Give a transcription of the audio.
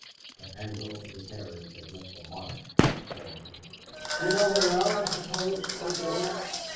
The handle of the carriage had left a mark that saddened him. "You know him well, I suppose, old George?"